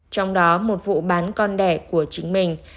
trong đó một vụ bán con đẻ của chính mình